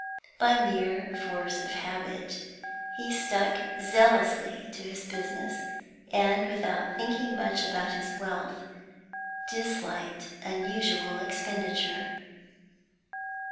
By mere force of habit he stuck zealously to his business, and, without thinking much about his wealth, disliked unusual expenditure.